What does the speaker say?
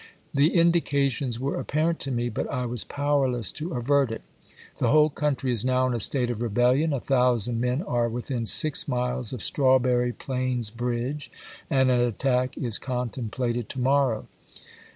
The indications were apparent to me, but I was powerless to avert it. The whole country is now in a state of rebellion ; a thousand men are within six miles of Strawberry Plains Bridge, and an attack is contemplated to morrow.